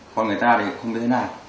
con người ta thì cũng không biết thế nào